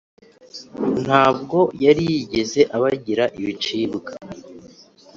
ntabwo yari yigeze abagira ibicibwa